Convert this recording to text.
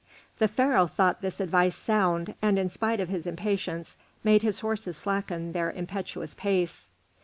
The Pharaoh thought this advice sound, and in spite of his impatience made his horses slacken their impetuous pace.